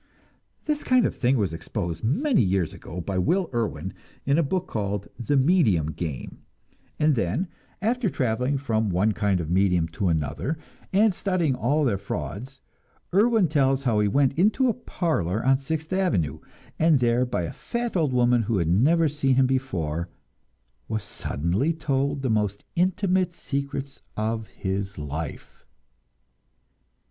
This kind of thing was exposed many years ago by Will Irwin in a book called "The Medium Game"; and then after traveling from one kind of medium to another, and studying all their frauds, Irwin tells how he went into a "parlor" on Sixth Avenue, and there by a fat old woman who had never seen him before, was suddenly told the most intimate secrets of his life!